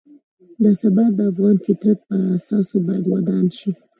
دا ثبات د افغان فطرت پر اساساتو باید ودان شي.